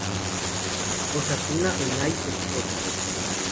Osasuna Unai Expósito.